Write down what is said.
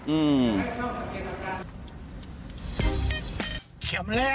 อืม